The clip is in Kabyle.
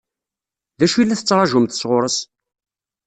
D acu i la tettṛaǧumt sɣur-s?